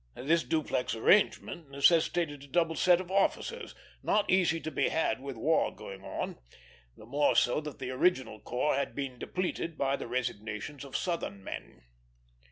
This duplex arrangement necessitated a double set of officers, not easy to be had with war going on; the more so that the original corps had been depleted by the resignations of Southern men.